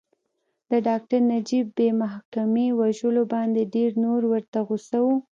د ډاکټر نجیب بې محاکمې وژلو باندې ډېر نور ورته غوسه وو